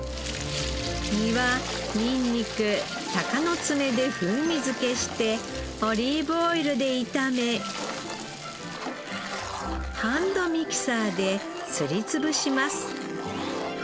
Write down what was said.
身はニンニクタカノツメで風味付けしてオリーブオイルで炒めハンドミキサーですり潰します。